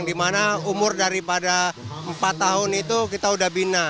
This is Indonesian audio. dimana umur daripada empat tahun itu kita sudah bina